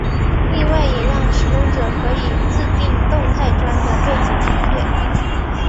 另外也让使用者可以自订动态砖的背景图片。